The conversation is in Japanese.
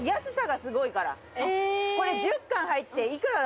これ１０缶入って。